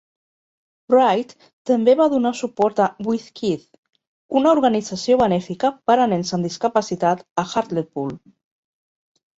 Wright també va donar suport a Whiz-Kidz, una organització benèfica per a nens amb discapacitat a Hartlepool.